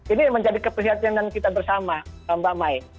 ini menjadi keperhatian dan kita bersama tambah main